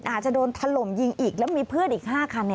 อาจจะโดนถล่มยิงอีกแล้วมีเพื่อนอีก๕คัน